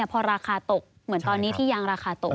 พอราคาตกเหมือนตอนนี้ที่ยางราคาตก